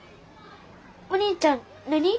お兄ちゃん何？